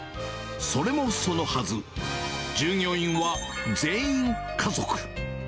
それもそのはず、従業員は全員家族。